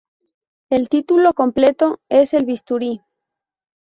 El título completo es "El bisturí.